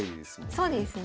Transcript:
そうですね。